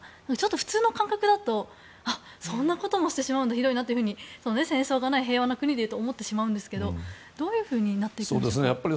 普通の感覚だとそんなこともしてしまうんだひどいなというふうに戦争がない平和な国だと思ってしまうんですけどどういうふうになっていくんですか。